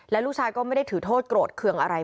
ลูกชายก็ไม่ได้ถือโทษโกรธเคืองอะไร